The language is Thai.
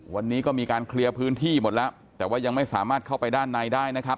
วันนี้ก็มีการเคลียร์พื้นที่หมดแล้วแต่ว่ายังไม่สามารถเข้าไปด้านในได้นะครับ